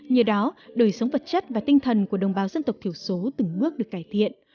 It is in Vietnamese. nhờ đó đời sống vật chất và tinh thần của đồng bào dân tộc thiểu số từng bước được cải thiện